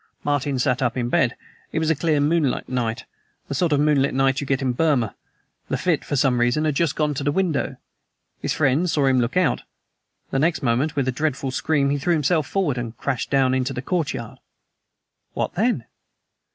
"Martin sat up in bed, it was a clear moonlight night the sort of moonlight you get in Burma. Lafitte, for some reason, had just gone to the window. His friend saw him look out. The next moment with a dreadful scream, he threw himself forward and crashed down into the courtyard!" "What then?"